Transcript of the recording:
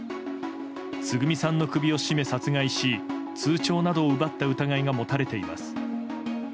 つぐみさんの首を絞め殺害し通帳などを奪った疑いが持たれています。